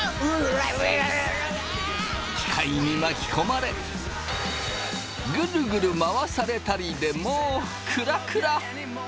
機械に巻き込まれグルグル回されたりでもうクラクラ！